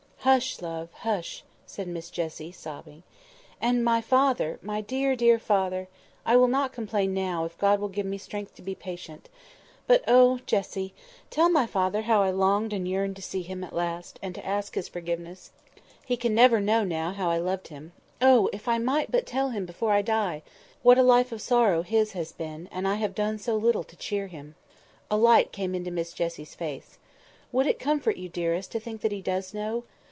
"Hush, love! hush!" said Miss Jessie, sobbing. "And my father, my dear, dear father! I will not complain now, if God will give me strength to be patient. But, oh, Jessie! tell my father how I longed and yearned to see him at last, and to ask his forgiveness. He can never know now how I loved him—oh! if I might but tell him, before I die! What a life of sorrow his has been, and I have done so little to cheer him!" A light came into Miss Jessie's face. "Would it comfort you, dearest, to think that he does know?